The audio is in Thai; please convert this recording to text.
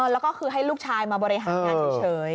แล้วก็คือให้ลูกชายมาบริหารงานเฉย